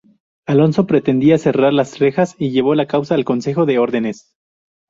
Alonso pretendía cerrar esas rejas y llevó la causa al consejo de Órdenes.